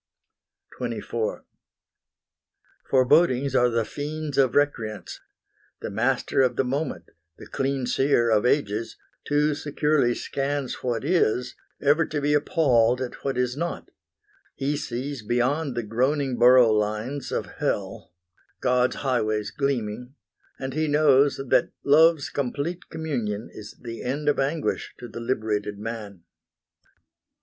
XXIV Forebodings are the fiends of Recreance; The master of the moment, the clean seer Of ages, too securely scans what is, Ever to be appalled at what is not; He sees beyond the groaning borough lines Of Hell, God's highways gleaming, and he knows That Love's complete communion is the end Of anguish to the liberated man.